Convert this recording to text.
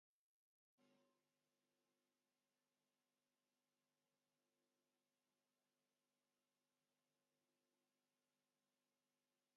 I nwékwara ike kpọọ ya ụzọ ọma agwụ si arụrụ mmadụ ọrụ